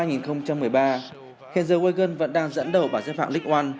hiện giờ wigan vẫn đang dẫn đầu vào giáp hạng league một